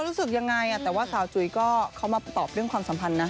รู้สึกยังไงแต่ว่าสาวจุ๋ยก็เขามาตอบเรื่องความสัมพันธ์นะ